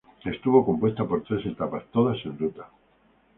Estuvo compuesta por tres etapas, todas en ruta.